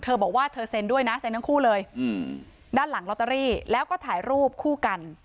บอกว่าเธอเซ็นด้วยนะเซ็นทั้งคู่เลยด้านหลังลอตเตอรี่แล้วก็ถ่ายรูปคู่กัน